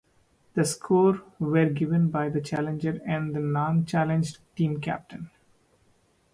The score were given by the challenger and the non challenged team captain.